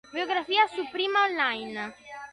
Biografia su "Prima on line"